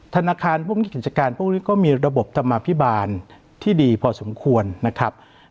ธนาคารพวกนี้กิจการพวกนี้ก็มีระบบธรรมพิบาลที่ดีพอสมควรนะครับ